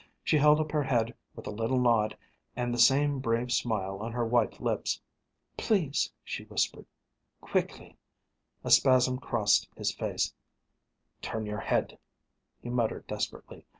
She held up her head with a little nod and the same brave smile on her white lips. "Please," she whispered, "quickly!" A spasm crossed his face, "Turn your head," he muttered desperately.